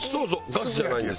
ガスじゃないんですよ。